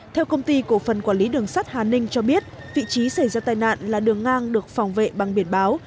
theo công ty cổ phần quản lý đường sắt hà ninh cho biết vị trí xảy ra tai nạn là đường ngang được phòng vệ bằng biển báo